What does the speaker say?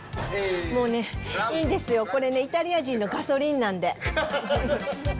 もうね、いいんですよ、これね、イタリア人のガソリンなんで。